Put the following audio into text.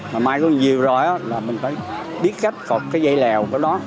mà mai con diều rồi đó là mình phải biết cách cột cái dây lèo của nó